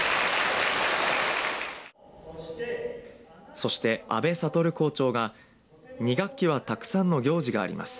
そして安部悟校長が２学期はたくさんの行事があります。